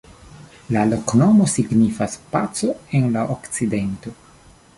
La loknomo signifas: "paco en la okcidento".